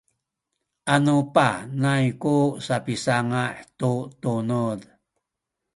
nanu panay ku sapisanga’ tu tunuz